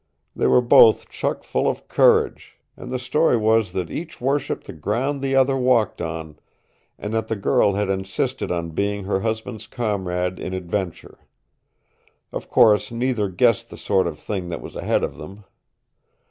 They were both chuck full of courage, and the story was that each worshiped the ground the other walked on, and that the girl had insisted on being her husband's comrade in adventure. Of course neither guessed the sort of thing that was ahead of them.